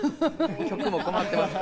曲も困ってます。